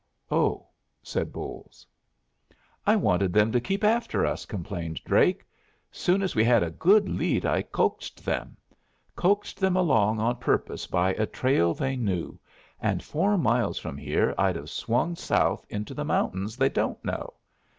"Oh!" said Bolles. "I wanted them to keep after us," complained Drake. "Soon as we had a good lead I coaxed them. Coaxed them along on purpose by a trail they knew, and four miles from here I'd have swung south into the mountains they don't know.